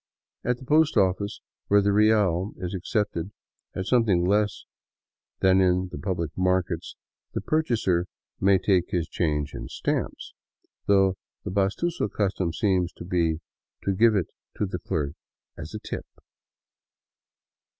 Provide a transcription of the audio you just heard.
At the post office, where iht real is accepted at something less than in the public markets, the purchaser may take his change in stamps, though the pastuso custom seems to be to give it to the clerk as a " tip."